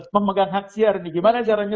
pemegang hak siar nih gimana caranya